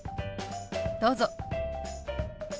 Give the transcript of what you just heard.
どうぞ。